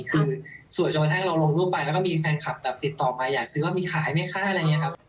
คือสวยจนกระทั่งเราลงรูปไปแล้วก็มีแฟนคลับแบบติดต่อมาอยากซื้อว่ามีขายไหมคะอะไรอย่างนี้ครับ